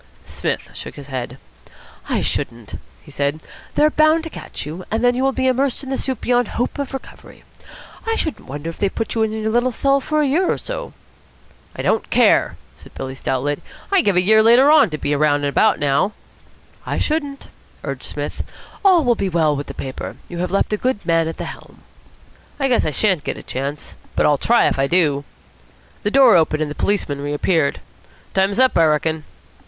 Psmith shook his head. "I shouldn't," he said. "They're bound to catch you, and then you will be immersed in the soup beyond hope of recovery. I shouldn't wonder if they put you in your little cell for a year or so." "I don't care," said Billy stoutly. "I'd give a year later on to be round and about now." "I shouldn't," urged Psmith. "All will be well with the paper. You have left a good man at the helm." "I guess I shan't get a chance, but I'll try it if I do." The door opened and the policeman reappeared. "Time's up, I reckon."